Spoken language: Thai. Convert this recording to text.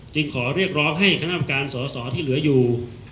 ขอเรียกร้องให้คณะกรรมการสอสอที่เหลืออยู่